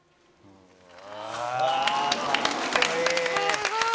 すごい。